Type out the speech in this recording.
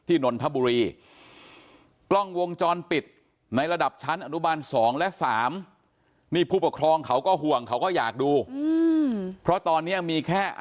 นนทบุรีกล้องวงจรปิดในระดับชั้นอนุบาล๒และ๓นี่ผู้ปกครองเขาก็ห่วงเขาก็อยากดูเพราะตอนนี้มีแค่